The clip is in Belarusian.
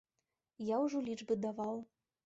Я ўжо лічбы даваў.